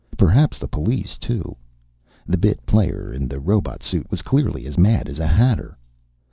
Perhaps the police, too. The bit player in the robot suit was clearly as mad as a hatter.